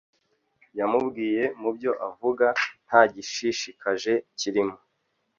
yamubwiye mubyo avuga ntagishishikaje kirimo